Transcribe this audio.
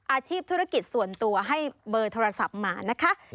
อาชีพธุรกิจส่วนตัวให้เบอร์โทรศัพท์มานะคะ